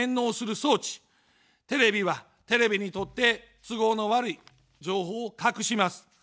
テレビは、テレビにとって都合の悪い情報を隠します。